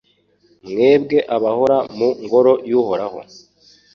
mwebwe abahora mu Ngoro y’Uhoraho